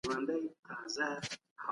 هغوی په میدان کي د لوبي پر ځای کوډینګ کاوه.